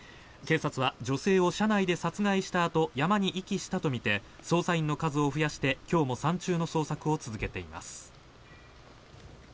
警察は女性を車内で殺害したあと山に遺棄したとみて捜査員の数を増やして今日も山中の捜索を続けています。